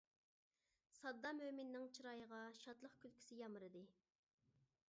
ساددا مۆمىننىڭ چىرايىغا شادلىق كۈلكىسى يامرىدى.